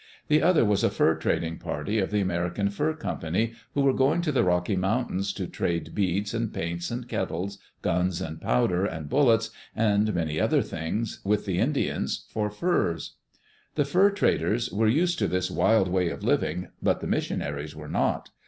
The other was a fur trading party of the American Fur Company, who were going to the Rocky Mountains to trade beads and paints and kettles, guns and powder and bullets, and many other things, with the Indians for furs. The fur traders were used to this wild way of living, but the missionaries were not.